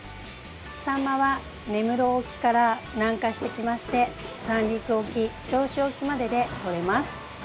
サンマは根室沖から南下してきまして三陸沖、銚子沖まででとれます。